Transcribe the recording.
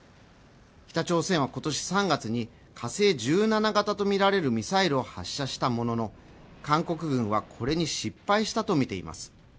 北朝鮮はことし３月に火星１７型と見られるミサイルを発射したものの韓国軍はこれに失敗したとみています